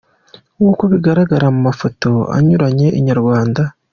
Nkuko bigaragara mu mafoto anyuranye Inyarwanda.